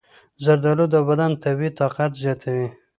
زردآلو د بدن طبیعي طاقت زیاتوي.